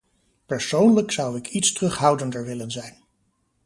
Persoonlijk zou ik iets terughoudender willen zijn.